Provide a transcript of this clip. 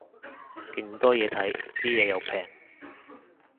勁多嘢睇，啲嘢又平